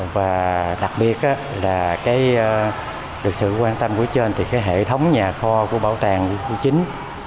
và đặc biệt là được sự quan tâm của trên thì hệ thống nhà kho của bảo tàng chính